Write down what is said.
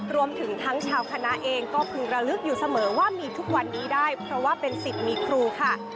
รวมถึงทั้งชาวคณะเองก็พึงระลึกอยู่เสมอว่ามีทุกวันนี้ได้เพราะว่าเป็นสิทธิ์มีครูค่ะ